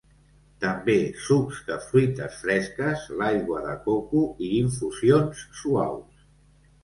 També sucs de fruites fresques, l'aigua de coco i infusions suaus.